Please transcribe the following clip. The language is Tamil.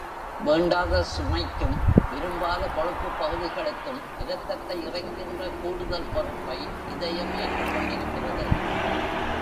வேண்டாத சுமைக்கும், விரும்பாத கொழுப்புப் பகுதிகளுக்கும் இரத்தத்தை இறைக்கின்ற கூடுதல் பொறுப்பை இதயம் ஏற்றுக் கொண்டிருக்கிறது.